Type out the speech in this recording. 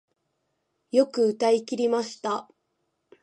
よく歌い切りました